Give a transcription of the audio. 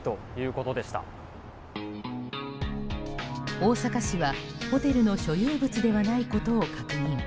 大阪市はホテルの所有物ではないことを確認。